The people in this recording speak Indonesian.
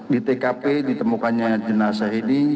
di tkp ditemukannya jenazah ini